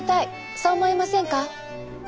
そう思いませんか？